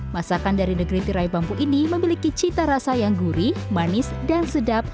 masakan dari negeri tirai bambu ini memiliki cita rasa yang gurih manis dan sedap